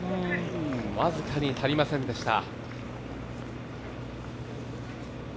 僅かに足りませんでした。